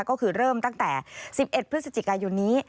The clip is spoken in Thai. ก็คือเริ่มตั้งแต่๑๑พฤศจิกายนนี้